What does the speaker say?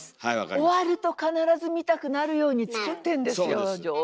終わると必ず見たくなるように作ってんですよ上手。